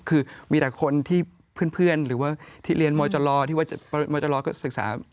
คือมีแต่คนที่เพื่อนที่เรียนมจรโรย์ที่มจรโรยก็ศึกษา